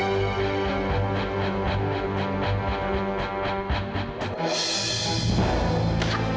menggantikan warganya menemukan dengan perasaan cenderung